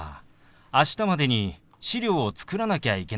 明日までに資料を作らなきゃいけなくって。